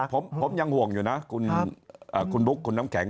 ผมยังห่วงอยู่นะคุณบุ๊คคุณน้ำแข็ง